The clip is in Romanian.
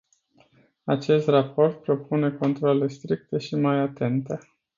Acest raport propune controale stricte și mai atente.